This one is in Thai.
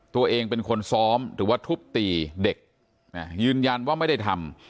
ตัวเองเป็นคนซ้อมหรือว่าทุบตีเด็กยืนยันว่าไม่ได้ทำ